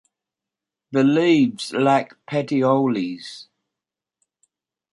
The leaves lack petioles.